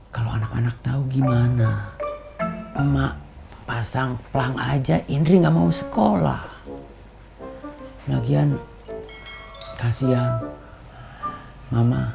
kalau anak anak tahu gimana emak pasang plang aja indri enggak mau sekolah lagian kasihan mama